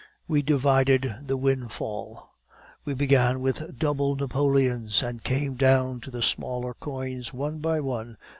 "We divided the windfall. We began with double napoleons, and came down to the smaller coins, one by one.